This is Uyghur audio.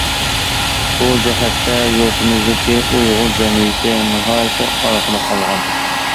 بۇ جەھەتتە يۇرتىمىزدىكى ئۇيغۇر جەمئىيىتى ناھايىتى ئارقىدا قالغان.